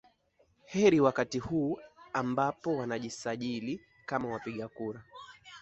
heri wakati huu ambapo wanajisajili kama wapiga kura